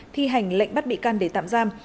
thi hành lệnh bắt bị can để tạm giam